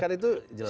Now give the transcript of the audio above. kan itu jelas